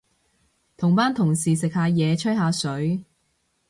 同班同事食下嘢，吹下水